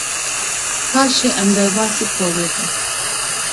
Paşê em derbasî polê bûn.